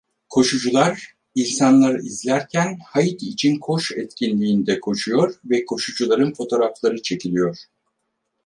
Koşucular, insanlar izlerken Haiti için Koş etkinliğinde koşuyor ve koşucuların fotoğrafları çekiliyor.